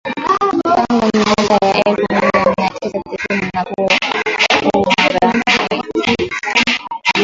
tangu miaka ya elfu moja mia tisa tisini na kuua raia wengi ambapo wengi wao ni